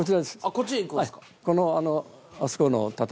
こっちに行くんすか？